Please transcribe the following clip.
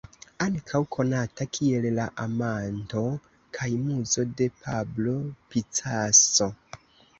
Ankaŭ konata kiel la amanto kaj muzo de Pablo Picasso.